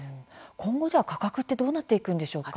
今後、価格はどうなっていくんですか。